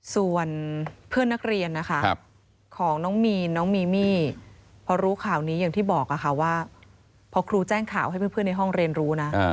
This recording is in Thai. ส่วนเพื่อนนักเรียนนะคะของน้องมีนน้องมีมี่พอรู้ข่าวนี้อย่างที่บอกค่ะว่าพอครูแจ้งข่าวให้เพื่อนในห้องเรียนรู้นะ